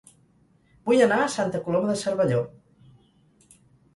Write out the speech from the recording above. Vull anar a Santa Coloma de Cervelló